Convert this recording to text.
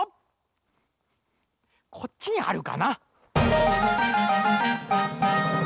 こっちにあるかな？